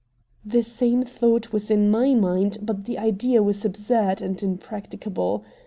The same thought was in my mind, but the idea was absurd, and impracticable.